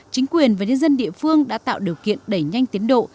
chính quyền và nhân dân địa phương đã tạo điều kiện đẩy nhanh tiến độ